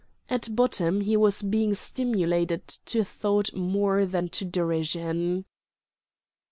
At bottom he was being stimulated to thought more than to derision.